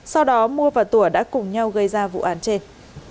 sau đó mua và tủa đã cùng nhau gây ra vụ án trên